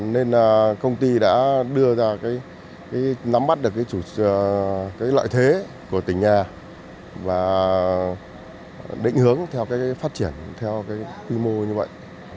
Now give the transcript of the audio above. nên công ty đã đưa ra nắm bắt được lợi thế của tỉnh nhà và định hướng theo phát triển theo quy mô như vậy